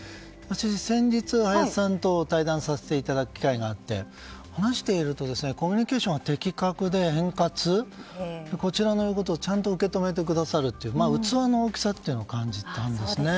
先日、林さんと対談させていただく機会があって話しているとコミュニケーションが的確で円滑こちらのことをちゃんと受け止めてくださるという器の大きさを感じたんですね。